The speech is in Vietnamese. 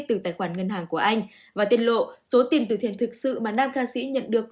từ tài khoản ngân hàng của anh và tiết lộ số tiền từ thiện thực sự mà nam ca sĩ nhận được